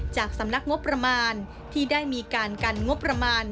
จากสำนักงบประมาณที่ได้มีการกันงบประมาณ